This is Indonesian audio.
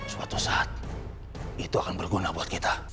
suatu saat itu akan berguna buat kita